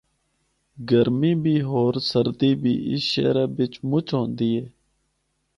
گرمی بھی ہور سردی بھی اس شہرا بچ مچ ہوندی ہے۔